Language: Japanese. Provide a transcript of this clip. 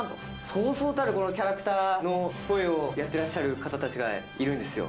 そうそうたるこのキャラクターの声をやってらっしゃる方たちがいるんですよ。